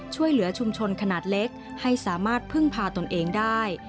ช่วยเหลือชุมชนขนาดเล็กให้สามารถพึ่งพาตนเองได้